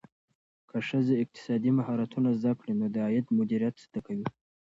که ښځه اقتصادي مهارتونه زده کړي، نو د عاید مدیریت زده کوي.